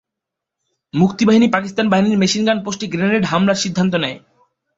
মুক্তিবাহিনী পাকিস্তান বাহিনীর মেশিনগান পোস্টে গ্রেনেড হামলার সিদ্ধান্ত নেয়।